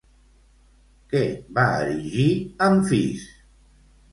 Què va erigir Amfís?